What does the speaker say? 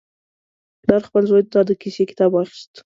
پلار خپل زوی ته د کیسې کتاب واخیست.